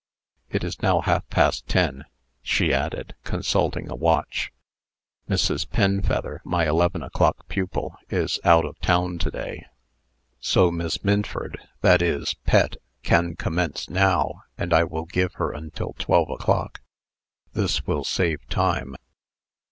"It is now half past ten," she added, consulting a watch. "Mrs. Penfeather, my eleven o'clock pupil, is put of town to day: so Miss Minford that is. Pet can commence now, and I will give her until twelve o'clock. This will save time."